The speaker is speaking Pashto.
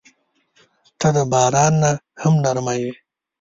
• ته د باران نه هم نرمه یې.